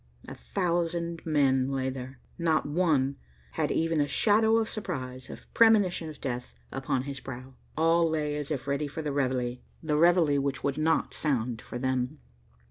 A thousand men lay there. Not one had even a shadow of surprise, of premonition of death, upon his brow. All lay as if ready for the reveille, the reveille which would not sound for them.